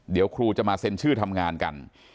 เดี๋ยวครูจะมาเซ็นชื่อทำงานกัน